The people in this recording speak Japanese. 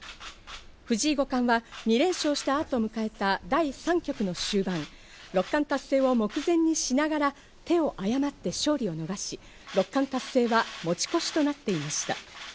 藤井五冠は２連勝したあと迎えた第３局の終盤、六冠達成を目前にしながら手を誤って勝利を逃し、六冠達成は持ち越しとなっていました。